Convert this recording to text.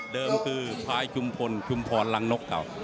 เดิมคือพายกุลภงศ์กุลพรรณนกเกา